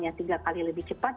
yang tiga kali lebih cepat